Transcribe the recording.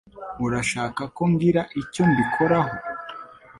Urashaka ko ngira icyo mbikoraho?